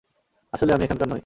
আসলে আমি এখানকার নই।